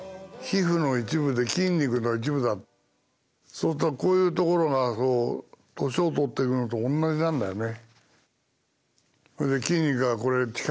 そうするとこういう所が年を取っていくのと同じなんだよね。